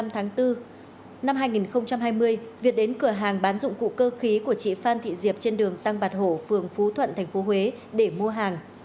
một mươi tháng bốn năm hai nghìn hai mươi việt đến cửa hàng bán dụng cụ cơ khí của chị phan thị diệp trên đường tăng bạc hổ phường phú thuận tp huế để mua hàng